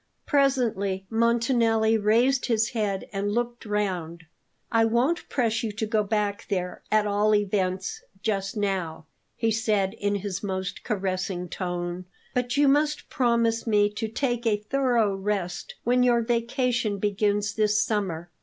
Presently Montanelli raised his head and looked round. "I won't press you to go back there; at all events, just now," he said in his most caressing tone; "but you must promise me to take a thorough rest when your vacation begins this summer.